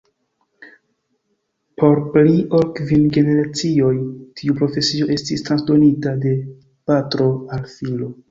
Por pli ol kvin generacioj tiu profesio estis transdonita de patro al filo.